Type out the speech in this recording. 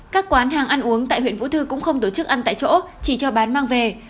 các quán hàng ăn uống tại huyện vũ thư cũng không tổ chức ăn tại chỗ chỉ cho bán mang về